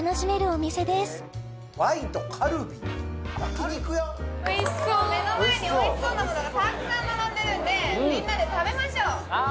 おいしそう目の前においしそうなものがたくさん並んでるんでみんなで食べましょうわ！